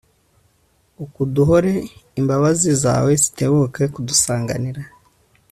ukuduhore imbabazi zawe zitebuke kudusanganira